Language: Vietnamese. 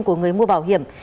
của người mua bảo hiểm